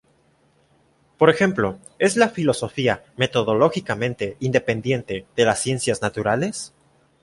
Por ejemplo: ¿es la filosofía metodológicamente independiente de las ciencias naturales?